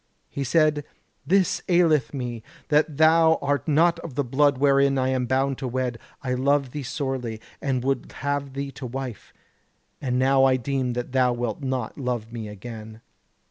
He said: 'This aileth me, that though thou art not of the blood wherein I am bound to wed, I love thee sorely, and would have thee to wife; and now I deem that thou wilt not love me again.'